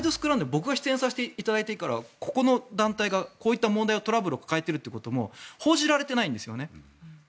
僕が出演させていただいてからここの団体がこういった問題、トラブルを抱えていることも報じられていないんですよね。